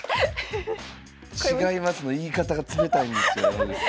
「違います」の言い方が冷たいんですよ山口さん。